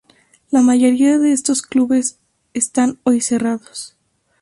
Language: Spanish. La mayoría de estos clubes están hoy cerrados.